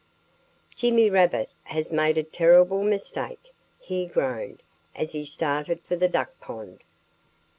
"Jimmy Rabbit has made a terrible mistake!" he groaned, as he started for the duck pond.